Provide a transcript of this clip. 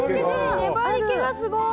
粘り気がすごい！